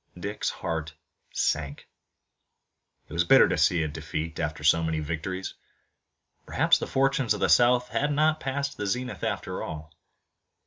Dick's heart sank. It was bitter to see a defeat, after so many victories. Perhaps the fortunes of the South had not passed the zenith after all!